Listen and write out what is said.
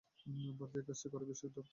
ভারতে এই কাজটি করা বিশেষ দরকার।